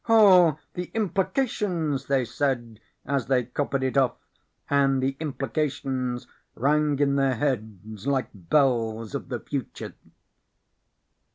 "Oh, the implications!" they said as they copied it off, and the implications rang in their heads like bells of the future.